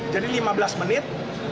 jadi lima belas menit